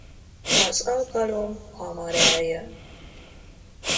Az alkalom hamar eljön.